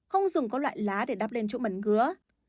không dùng có loại lá để đắp lên chỗ mẩn ngứa